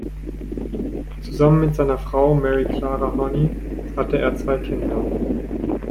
Zusammen mit seiner Frau Mary Clara Honey hatte er zwei Kinder.